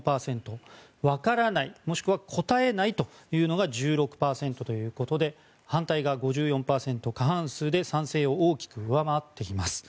わからないもしくは答えないというのが１６％ということで反対が５４％、過半数で賛成を大きく上回っています。